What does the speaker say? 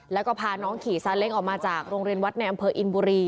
แล้วก็พาน้องขี่ซาเล้งออกมาจากโรงเรียนวัดในอำเภออินบุรี